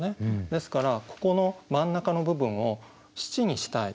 ですからここの真ん中の部分を七にしたい。